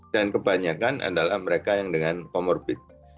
dan kebanyakan adalah mereka yang dengan comorbid